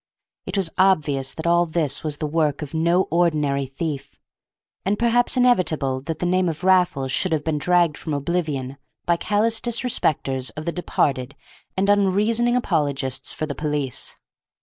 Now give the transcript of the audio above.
It was obvious that all this was the work of no ordinary thief, and perhaps inevitable that the name of Raffles should have been dragged from oblivion by callous disrespecters of the departed and unreasoning apologists for the police.